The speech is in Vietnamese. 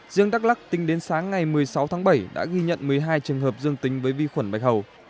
riêng đắk lắc tính đến sáng ngày một mươi sáu tháng bảy đã ghi nhận một mươi hai trường hợp dương tính với vi khuẩn bạch hầu